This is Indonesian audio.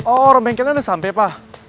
oh rempeng kalian udah sampe pa